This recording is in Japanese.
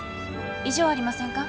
異常ありませんか？